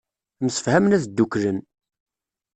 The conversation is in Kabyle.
Msefhamen ad dduklen.